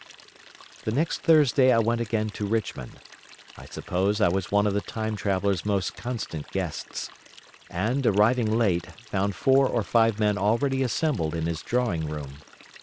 The next Thursday I went again to Richmond—I suppose I was one of the Time Traveller's most constant guests—and, arriving late, found four or five men already assembled in his drawing room.